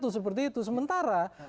satu seperti itu sementara